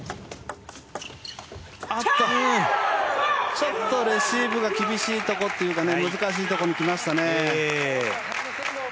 ちょっとレシーブが厳しいところというか難しいところにきましたね。